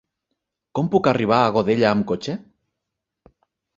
Com puc arribar a Godella amb cotxe?